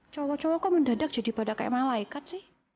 cowok cowok kok mendadak jadi pada kayak malaikat sih